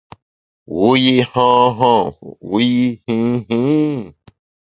Wu yi han han wu yi hin hin ?